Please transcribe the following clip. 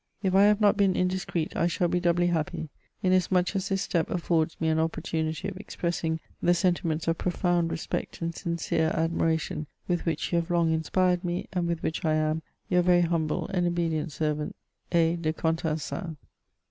If I have not been indiscreet, I shall be doubly happy, inasmuch as this step affords me an opportu nity of expressing the sentiments of profound respect and sincere admiration with which you have long inspired me, and with whidi I am, *^ Your very humble and obedient servant, "A. De Contencin."